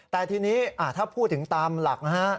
แต่ทีนี้ถ้าพูดถึงตามหลักนะฮะ